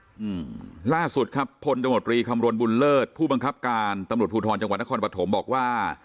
อืมล่าสุดครับพลตมตรีคำรณบุญเลิศผู้บังคับการตำรวจภูทรจังหวัดนครปฐมบอกว่า